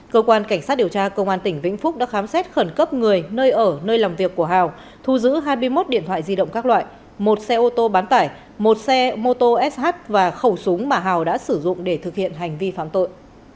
cơ quan cảnh sát điều tra công an tỉnh vĩnh phúc đã khám xét khẩn cấp người nơi ở nơi làm việc của hào thu giữ hai mươi một điện thoại di động các loại một xe ô tô bán tải một xe mô tô sh và khẩu súng mà hào đã sử dụng để thực hiện hành vi phạm tội